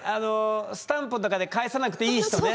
スタンプとかで返さなくていい人ね。